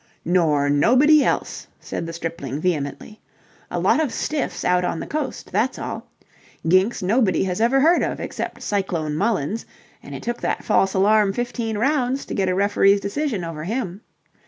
"Nor nobody else," said the stripling vehemently. "A lot of stiffs out on the coast, that's all. Ginks nobody has ever heard of, except Cyclone Mullins, and it took that false alarm fifteen rounds to get a referee's decision over him.